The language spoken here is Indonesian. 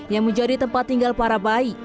yang menjadi tempat tinggal para bayi